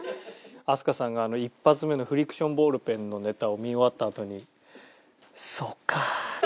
飛鳥さんがあの一発目のフリクションボールペンのネタを見終わったあとに。